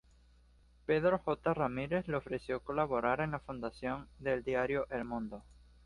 Pedro J. Ramírez le ofreció colaborar en la fundación del diario "El Mundo".